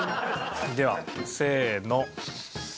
ではせーの。